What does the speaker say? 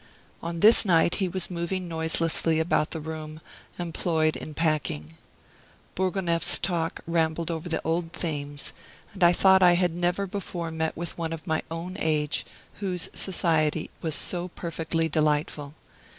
On this night he was moving noiselessly about the room, employed in packing. Bourgonef's talk rambled over the old themes; and I thought I had never before met with one of my own age whose society was so perfectly delightful.